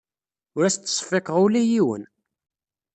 Ur as-ttseffiqeɣ ula i yiwen.